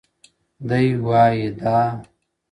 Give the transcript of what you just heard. دى وايي دا،